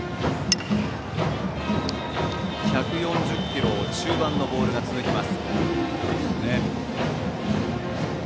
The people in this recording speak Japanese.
１４０キロ中盤のボールが続きます。